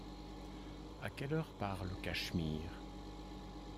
À quelle heure part le Cashmere?